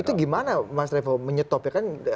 itu gimana mas revo menyetop ya kan